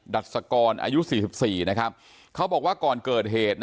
ดัชกรอายุ๔๔นะครับเขาบอกว่าก่อนเกิดเหตุ